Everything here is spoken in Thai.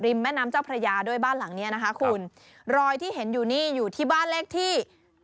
แม่น้ำเจ้าพระยาด้วยบ้านหลังเนี้ยนะคะคุณรอยที่เห็นอยู่นี่อยู่ที่บ้านเลขที่